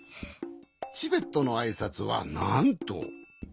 チベットのあいさつはなんと。